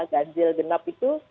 ganjil genap itu